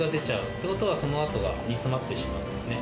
ということは、そのあとは煮詰まってしまうんですね。